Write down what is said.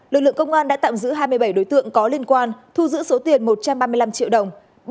lực lượng công an đã tạm giữ hai mươi bảy đối tượng có liên quan thu giữ số tiền một trăm ba mươi năm triệu đồng